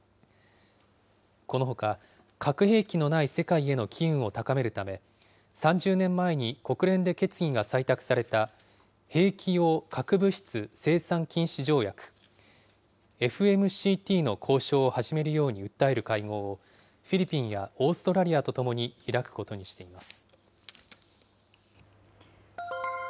このほか、核兵器のない世界への機運を高めるため、３０年前に国連で決議が採択された、兵器用核物質生産禁止条約・ＦＭＣＴの交渉を始めるように訴える会合をフィリピンやオーストラリアと共に開くことにしています。